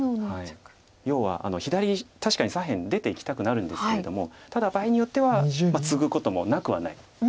要は左確かに左辺出ていきたくなるんですけれどもただ場合によってはツグこともなくはない。